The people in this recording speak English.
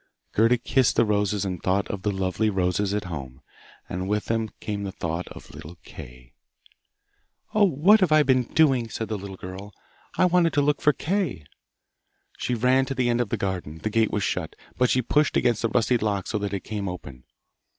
Gerda kissed the roses and thought of the lovely roses at home, and with them came the thought of little Kay. 'Oh, what have I been doing!' said the little girl. 'I wanted to look for Kay.' She ran to the end of the garden. The gate was shut, but she pushed against the rusty lock so that it came open.